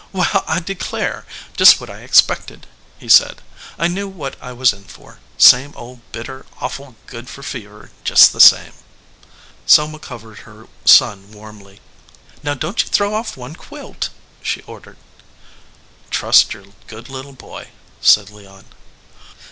"Well, I declare! Just what I expected," he said. "I knew what I was in for. Same old bitter, awful good for fever, just the same." Selma covered her son warmly. "Now don t you throw off one quilt" she ordered. "Trust your good little boy," said Leon.